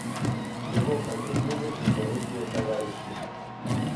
Его проглядели близорукие товарищи.